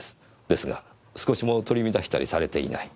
ですが少しも取り乱したりされていない。